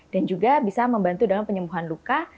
dan juga bisa membantu dalam penyembuhan luka